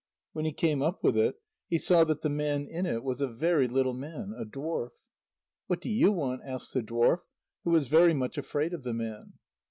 When he came up with it, he saw that the man in it was a very little man, a dwarf. "What do you want," asked the dwarf, who was very much afraid of the man.